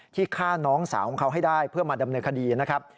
ที่ฆ่าน้องสาวของเขาให้ได้เพื่อมาดำเนินคดีนะครับ